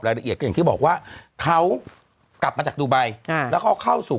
ละเอียดก็อย่างที่บอกว่าเขากลับมาจากดูไบแล้วเขาเข้าสู่